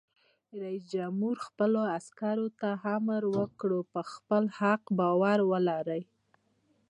رئیس جمهور خپلو عسکرو ته امر وکړ؛ پر خپل حق باور ولرئ!